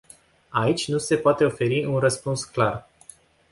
Aici nu se poate oferi un răspuns clar.